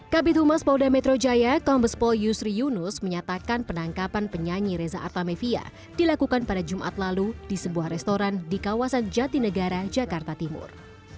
kabit humas polda metro jaya kombespol yusri yunus menyatakan penangkapan penyanyi reza artamevia dilakukan pada jumat lalu di sebuah restoran di kawasan jatinegara jakarta timur